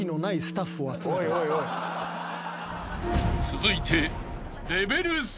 ［続いて］